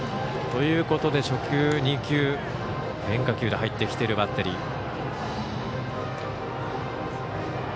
ということで初球２球、変化球で入ってきているバッテリー。